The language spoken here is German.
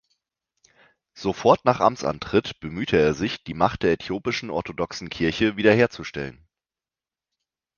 Sofort nach Amtsantritt bemühte er sich, die Macht der Äthiopischen-Orthodoxen Kirche wiederherzustellen.